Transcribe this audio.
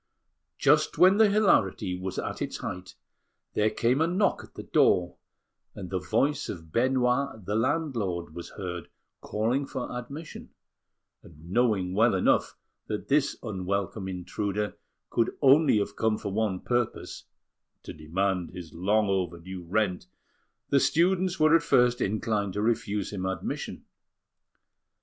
Just when the hilarity was at its height, there came a knock at the door, and the voice of Benoit, the landlord, was heard calling for admission; and, knowing well enough that this unwelcome intruder could only have come for one purpose to demand his long overdue rent the students were at first inclined to refuse him admission.